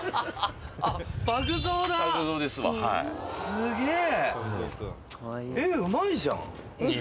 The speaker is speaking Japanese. すげえ！